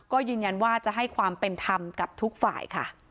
ก็ยืนยันว่าจะให้ความเป็นธรรมกับทุกฝ่ายค่ะ